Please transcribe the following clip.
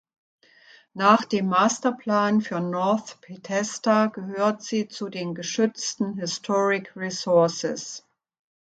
Nach dem Masterplan für North Bethesda gehört sie zu den geschützten „historic resources“.